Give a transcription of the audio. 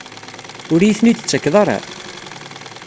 Ur iyi-ten-id-tettakeḍ ara?